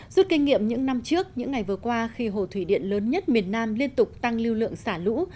rút kinh nghiệm những năm trước những ngày vừa qua khi hồ thủy điện lớn nhất miền nam liên tục tăng lưu lượng xả lũ